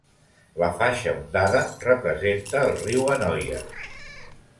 La faixa ondada representa el riu Anoia.